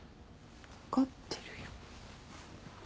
分かってるよ。